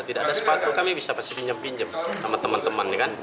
tidak ada sepatu kami bisa pasti pinjam pinjam sama teman teman